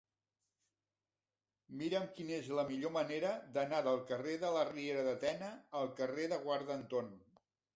Mira'm quina és la millor manera d'anar del carrer de la Riera de Tena al carrer del Guarda Anton.